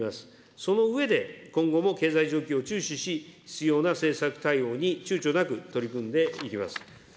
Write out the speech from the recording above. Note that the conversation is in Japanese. その上で、今後も経済状況を注視し、必要な政策対応にちゅうちょなく取り組んでいきます。